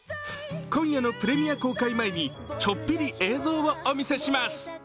今夜のプレミア公開前にちょっぴり映像をお見せします。